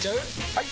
・はい！